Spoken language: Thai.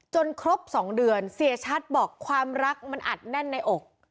ครบ๒เดือนเสียชัดบอกความรักมันอัดแน่นในอก